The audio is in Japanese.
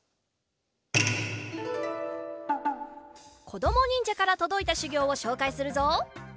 こどもにんじゃからとどいたしゅぎょうをしょうかいするぞ。